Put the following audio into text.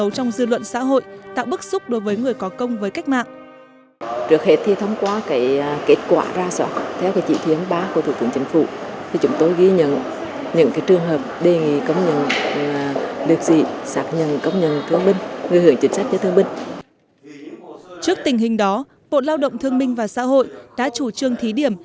trước tình hình đó bộ lao động thương minh và xã hội đã chủ trương thí điểm